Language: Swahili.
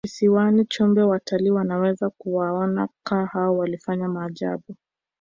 kisiwani chumbe watalii wanaweza kuwaona kaa hao wakifanya maajabu